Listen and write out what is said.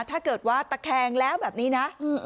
ถ้าเกิดว่าตะแคงแล้วแบบนี้นะ